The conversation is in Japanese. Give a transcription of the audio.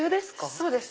そうです。